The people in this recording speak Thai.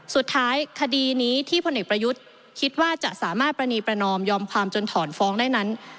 คดีนี้ที่พลเอกประยุทธ์คิดว่าจะสามารถปรณีประนอมยอมความจนถอนฟ้องได้นั้น